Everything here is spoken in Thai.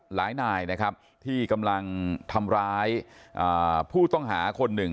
หลายนายนะครับที่กำลังทำร้ายผู้ต้องหาคนหนึ่ง